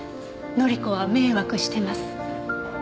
乃里子は迷惑してます」。